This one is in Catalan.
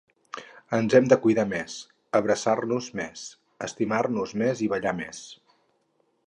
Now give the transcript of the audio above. Ens hem de cuidar més, abraçar-nos més, estimar-nos més i ballar més.